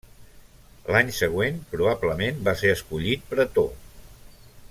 L'any següent probablement va ser escollit pretor.